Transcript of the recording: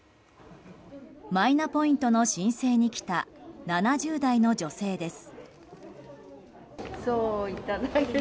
マイナポイントの申請に来た７０代の女性です。